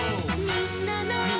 「みんなの」